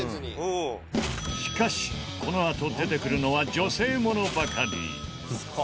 しかしこのあと出てくるのは女性ものばかり。